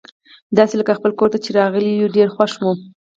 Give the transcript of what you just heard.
داسي لکه خپل کور ته چي راغلي یو، ډېر خوښ وو.